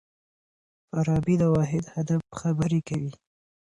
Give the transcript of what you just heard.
فارابي د واحد هدف خبري کوي.